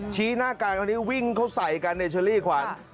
ชี้หน้ากันตอนนี้วิ่งเขาใส่กันเชอรี่ขวาน